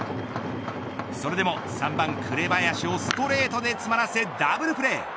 それでも３番紅林をストレートで詰まらせダブルプレー。